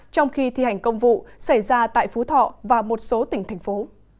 trong khi thi hành công vụ xảy ra tại phú thọ và một số tỉnh thành phố